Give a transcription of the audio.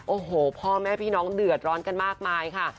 โอ้โหพ่อแม่พี่น้องเดือดร้อนกันมากมายค่ะ